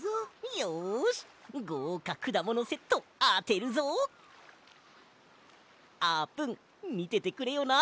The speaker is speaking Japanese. よしごうかくだものセットあてるぞ！あーぷんみててくれよな！